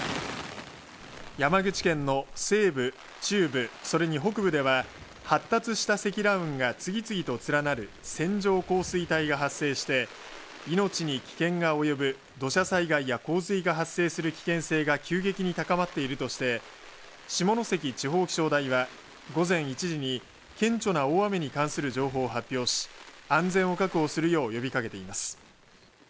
山口県の西部、中部それに北部では発達した積乱雲が次々と連なる線状降水帯が発生して命に危険が及ぶ土砂災害や洪水が発生する危険性が急激に高まっているとして下関地方気象台は午前１時に顕著な大雨に関する情報を発表し安全を確保するよう呼びかけています。